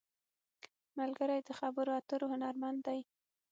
ملګری د خبرو اترو هنرمند دی